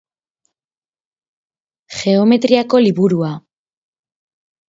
Geometriako liburua.